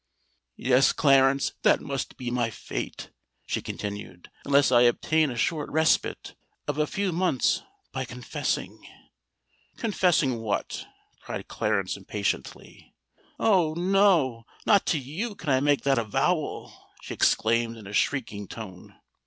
"Yes, Clarence—that must be my fate," she continued: "unless I obtain a short respite—of a few months—by confessing——" "Confessing what?" cried Clarence impatiently. "Oh! no—not to you can I make that avowal!" she exclaimed, in a shrieking tone.